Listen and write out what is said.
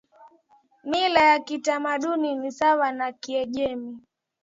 mila ya kitamaduni ni sawa na Kiajemi